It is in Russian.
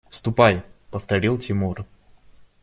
– Ступай, – повторил Тимур.